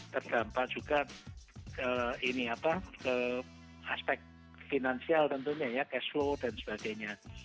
terdampak juga aspek finansial tentunya ya cash flow dan sebagainya